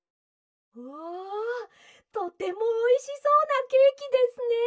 「わあとてもおいしそうなケーキですね！」。